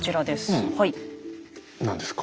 何ですか。